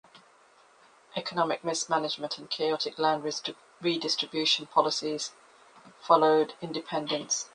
Economic mismanagement and chaotic land redistribution policies followed independence.